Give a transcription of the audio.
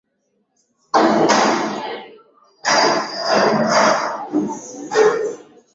watu tunakaa tunatumia magari tukifika ofisini tunakaa kwenye komputa hatufanyi mazoezi ya viungo